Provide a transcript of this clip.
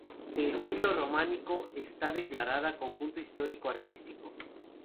De estilo románico, está declarada Conjunto Histórico-Artístico.